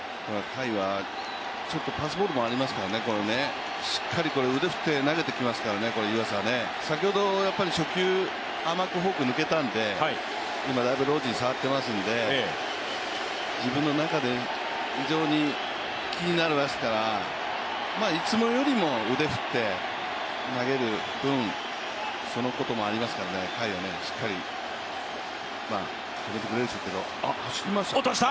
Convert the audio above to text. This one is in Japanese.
ちょっとパスボールもありますからね、湯浅はね、先ほど初球、甘くフォーク抜けたので、今だいぶロジン触ってますので自分の中で非常に気になりますからいつもよりも腕振って投げる分、そのこともありますので甲斐はしっかり受けてくれるでしょうけど。